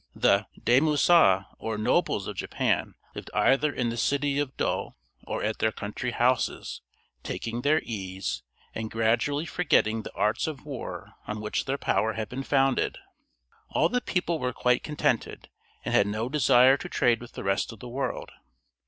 The daimios, or nobles of Japan, lived either in the city of Yedo or at their country houses, taking their ease, and gradually forgetting the arts of war on which their power had been founded. All the people were quite contented, and had no desire to trade with the rest of the world.